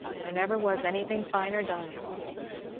There never was anything finer done."